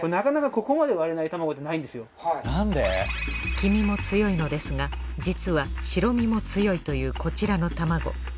黄身も強いのですが実は白身も強いというこちらの卵。